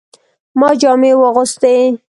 ما جامې واغستې